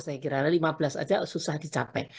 saya kira lima belas aja susah dicapai